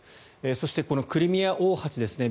そして、クリミア大橋ですね。